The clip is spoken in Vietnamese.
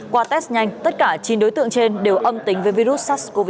qua test nhanh tất cả chín đối tượng trên đều âm tính với virus sars cov hai